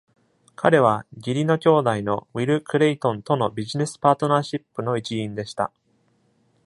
彼は義理の兄弟のウィル・クレイトンとのビジネスパートナーシップの一員でした。